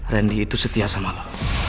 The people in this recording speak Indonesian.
randy itu setia sama lo